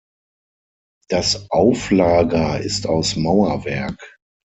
Das Auflager ist aus Mauerwerk.